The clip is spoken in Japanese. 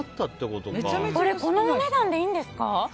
これこのお値段でいいんですか。